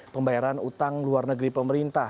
pembayaran utang luar negeri pemerintah